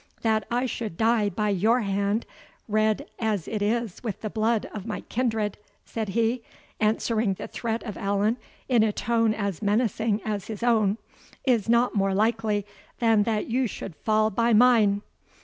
"That I should die by your hand, red as it is with the blood of my kindred," said he, answering the threat of Allan in a tone as menacing as his own, "is not more likely than that you should fall by mine."